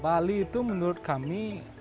bali itu menurut kami